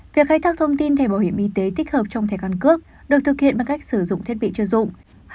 việc khai thác thông tin thẻ bảo hiểm y tế tích hợp trong thẻ căn cước được thực hiện bằng cách sử dụng thiết bị chuyên dụng